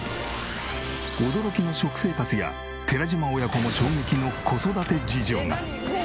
驚きの食生活や寺島親子も衝撃の子育て事情が。